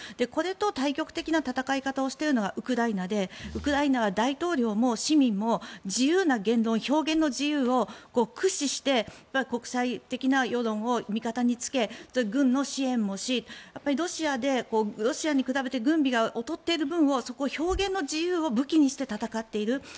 これと対極的な戦い方をしているのがウクライナで、ウクライナは大統領も市民も自由な言論表現の自由を駆使して国際的な世論を味方につけ軍の支援もしてロシアに比べて軍備が劣っている分をそこを表現の自由を武器にして戦っている。